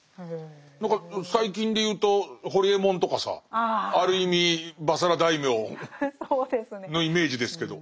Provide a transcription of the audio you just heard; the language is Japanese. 何か最近で言うとホリエモンとかさある意味婆娑羅大名のイメージですけど。